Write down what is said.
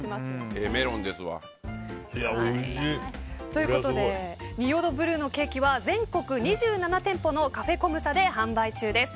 ということで仁淀ブルーのケーキは全国２７店舗のカフェコムサで販売中です。